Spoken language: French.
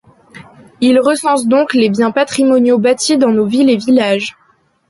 Il recense donc les biens patrimoniaux bâtis dans nos villes et villages.